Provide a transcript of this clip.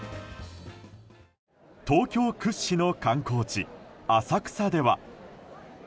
東京屈指の観光地・浅草では。